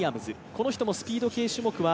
この人もスピード系種目は。